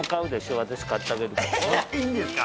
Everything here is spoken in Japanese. いいんですか？